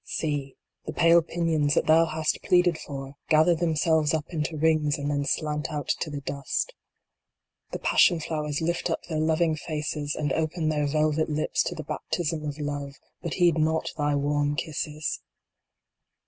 See, the pale pinions that thou hast pleaded for gather themselves up into rings and then slant out to the dust ! The passion flowers lift up their loving faces and open HEMLOCK IN THE FURROWS. 79 their velvet lips to the baptism of Love, but heed not thy warm kisses